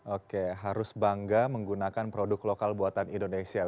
oke harus bangga menggunakan produk lokal buatan indonesia